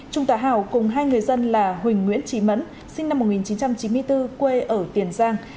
trung tá hảo cùng hai người dân là huỳnh nguyễn trí mẫn sinh năm một nghìn chín trăm chín mươi bốn quê ở tiền giang